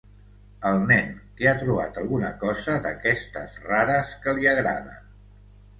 El nen, que ha trobat alguna cosa d'aquestes rares que li agraden.